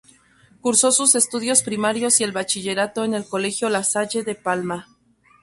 Cursó sus estudios primarios y el Bachillerato en el Colegio La Salle de Palma.